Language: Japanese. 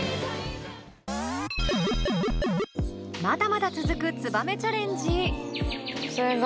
まだまだ続く「ツバメチャレンジ」！